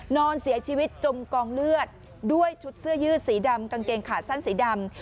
นอนเสียชีวิตจมกองเลือดด้วยชุดเสื้อยืดสีดำกางเกงขาสั้นสีดำ